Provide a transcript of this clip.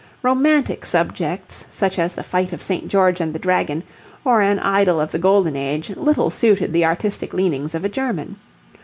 Romantic subjects such as the fight of St. George and the dragon, or an idyll of the Golden Age, little suited the artistic leanings of a German.